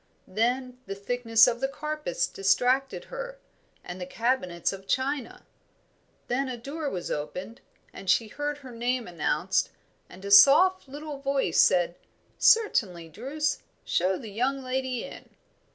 Then the thickness of the carpets distracted her, and the cabinets of china. Then a door was opened, and she heard her name announced, and a soft little voice said, "Certainly, Druce. Show the young lady in."